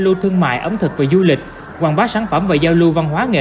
lưu thương mại ẩm thực và du lịch hoàn bá sản phẩm và giao lưu văn hóa truyền thống